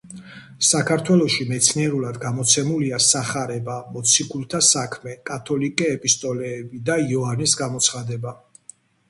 საქართველოში მეცნიერულად გამოცემულია სახარება, მოციქულთა საქმე, კათოლიკე ეპისტოლეები და იოანეს გამოცხადება.